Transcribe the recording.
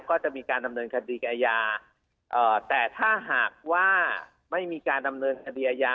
ก็จะมีการดำเนินคดีอาญาแต่ถ้าหากว่าไม่มีการดำเนินคดีอาญา